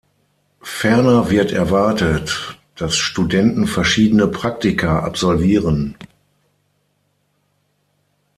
Ferner wird erwartet, dass Studenten verschiedene Praktika absolvieren.